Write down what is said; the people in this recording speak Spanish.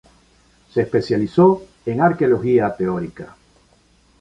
Se especializó en Arqueología Teórica.